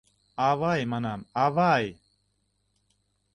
«Авай, — манам, — авай!